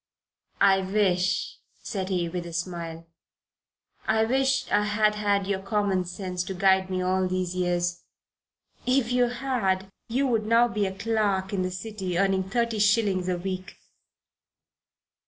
"I wish," said he, with a smile "I wish I had had your common sense to guide me all these years." "If you had, you would now be a clerk in the City earning thirty shillings a week."